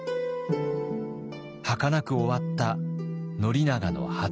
はかなく終わった宣長の初恋。